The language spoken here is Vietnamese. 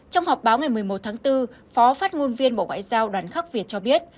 trong họp báo ngày một mươi một tháng bốn phó phát ngôn viên bộ ngoại giao đoàn khắc việt cho biết